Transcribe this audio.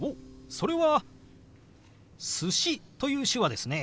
それは「寿司」という手話ですね。